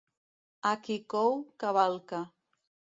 A qui cou, cavalca.